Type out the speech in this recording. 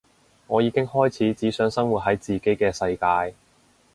我已經開始只想生活喺自己嘅世界